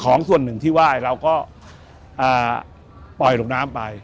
ส่วนหนึ่งที่ไหว้เราก็ปล่อยลงน้ำไป